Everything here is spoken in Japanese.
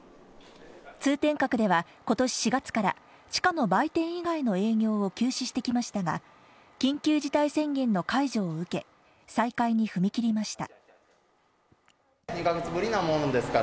通天閣では今年４月から地下の売店以外の営業を休止してきましたが、緊急事態宣言の解除を受け、再開に踏み切りました。